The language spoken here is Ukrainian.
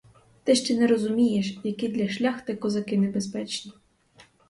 Ти ще не розумієш, які для шляхти козаки небезпечні.